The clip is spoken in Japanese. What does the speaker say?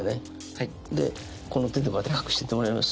はいでこの手でこうやって隠しててもらえます？